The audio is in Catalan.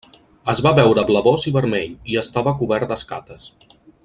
Es va veure blavós i vermell, i estava cobert d'escates.